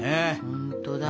ほんとだね。